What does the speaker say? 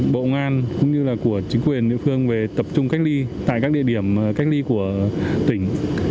bộ ngoan cũng như là của chính quyền địa phương về tập trung cách ly tại các địa điểm cách ly của tỉnh